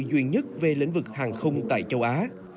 duy nhất về lĩnh vực hàng không tại châu á